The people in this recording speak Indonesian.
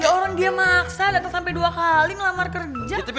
ya orang dia maksa dateng sampe dua kali ngelamar kerja